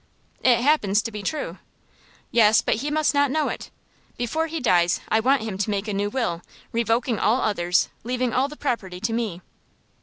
"It happens to be true." "Yes; but he must not know it. Before he dies I want him to make a new will, revoking all others, leaving all the property to me."